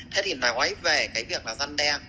thế thì nói về cái việc là dân đe